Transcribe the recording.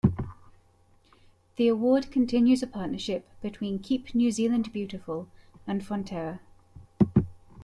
The Award continues a partnership between Keep New Zealand Beautiful and Fonterra.